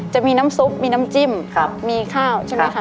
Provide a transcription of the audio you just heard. จะมีน้ำซุปมีน้ำจิ้มมีข้าว